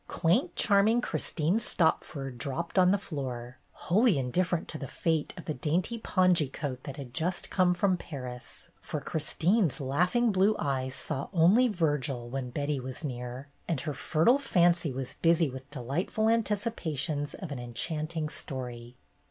Quaint, charming Christine Stopford dropped on the floor, wholly indifferent to A CITY HISTORY CLUB 171 the fate of the dainty pongee coat that had just come from Paris, for Christine's laughing blue eyes "saw only Virgil" when Betty was near, and her fertile fancy was busy with de lightful anticipations of an enchanting story.